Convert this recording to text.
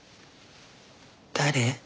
誰？